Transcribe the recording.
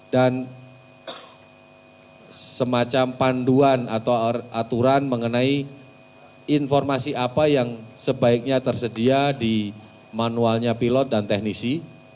dan semacam panduan atau aturan mengenai informasi apa yang sebaiknya tersedia di manualnya pilot dan teknisi